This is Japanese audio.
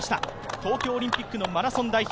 東京オリンピックのマラソン代表